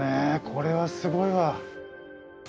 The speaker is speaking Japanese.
これはすごいわ。